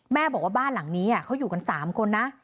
แม่บอกว่าบ้านหลังนี้เขาอยู่กัน๓คนนะ